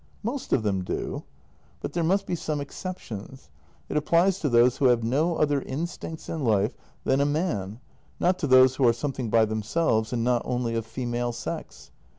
" Most of them do. But there must be some exceptions. It applies to those who have no other instincts in life than a man — not to those who are something by themselves and not only of female sex.